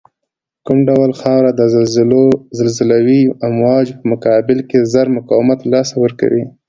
کوم ډول خاوره د زلزلوي امواجو په مقابل کې زر مقاومت له لاسه ورکوی